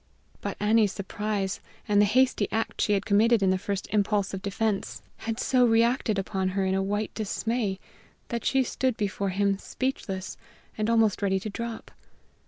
But Annie's surprise and the hasty act she had committed in the first impulse of defense had so reacted upon her in a white dismay that she stood before him speechless and almost ready to drop.